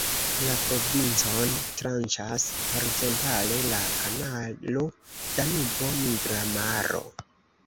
La provincon "tranĉas" horizontale la Kanalo Danubo-Nigra Maro.